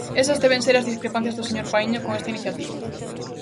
Esas deben ser as discrepancias do señor Paíño con esta iniciativa.